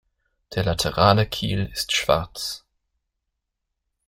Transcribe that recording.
Der laterale Kiel ist schwarz.